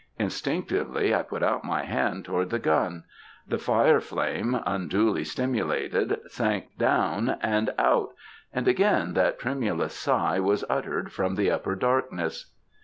Instinctively I put out my hand toward the gun. The fire flame, unduly stimulated, sank down and out ; and again that tremulous sigh was uttered from the upper darkness.